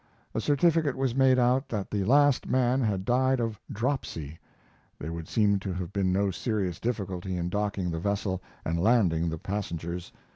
A certificate was made out that the last man had died of "dropsy." There would seem to have been no serious difficulty in docking the vessel and landing the passengers.